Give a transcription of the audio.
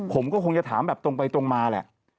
ผมก็คงจะถามแบบตรงไปตรงมาแหละ